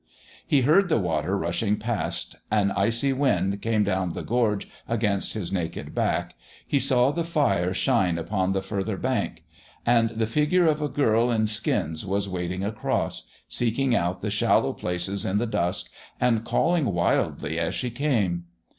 He heard the water rushing past, an icy wind came down the gorge against his naked back, he saw the fire shine upon the farther bank ... and the figure of a girl in skins was wading across, seeking out the shallow places in the dusk, and calling wildly as she came....